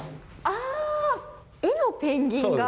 あー、絵のペンギンが。